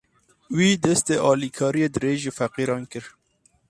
Wî, destê alîkariyê dirêjî feqîran kir.